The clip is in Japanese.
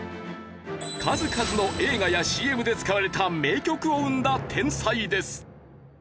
数々の映画やＣＭで使われた名曲を生んだ天才です。